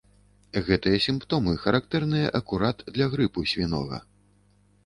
Гэтыя сімптомы характэрныя акурат для грыпу свінога.